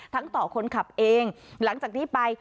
ต่อคนขับเองหลังจากนี้ไป